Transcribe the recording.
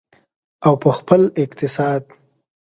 او په خپل اقتصاد.